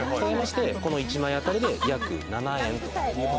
この一枚あたりで約７円。